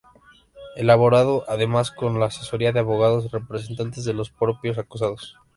Elaborado, además, con la asesoría de abogados representantes de los propios acusados.